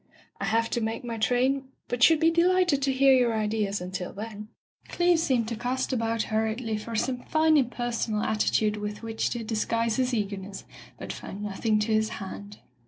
"I have to make my train, but should be delighted to hear your ideas until then. Cleeve seemed to cast about hurriedly for some fine impersonal attitude with which to disguise his eagerness, but found nothing to his hand.